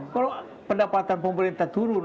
kalau pendapatan pemerintah turun